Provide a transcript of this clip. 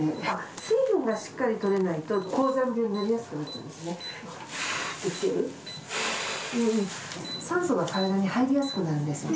水分がしっかりとれないと、高山病になりやすくなっちゃうんですね。